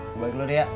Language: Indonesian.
gue balik dulu deh ya